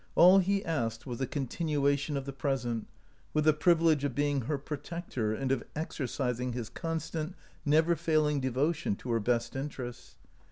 All he asked was a continuation of the present, with the privilege of being her protector and of exercising his constant, never failing devotion to her best interests.